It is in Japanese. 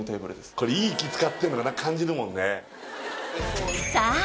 これいい木使ってるの感じるもんねさあ